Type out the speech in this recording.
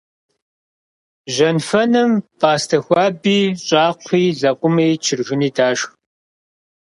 Жьэнфэным пӀастэ хуаби, щӀакхъуи, лэкъуми, чыржыни дашх.